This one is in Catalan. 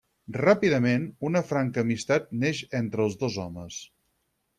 Ràpidament, una franca amistat neix entre els dos homes.